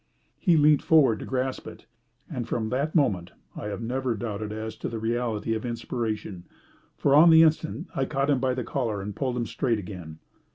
He leant forward to grasp it, and from that moment I have never doubted as to the reality of inspiration, for on the instant I caught him by the collar and pulled him straight again.